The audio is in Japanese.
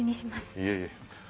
いえいえ。